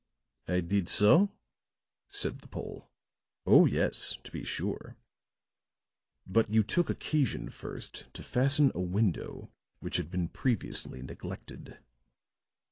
"I did so," said the Pole. "Oh, yes, to be sure. But you took occasion first to fasten a window which had been previously neglected."